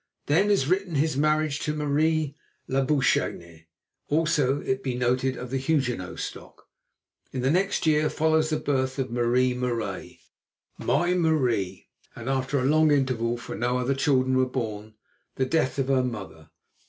Then is written his marriage to Marie Labuschagne, also, be it noted, of the Huguenot stock. In the next year follows the birth of Marie Marais, my Marie, and, after a long interval, for no other children were born, the death of her mother.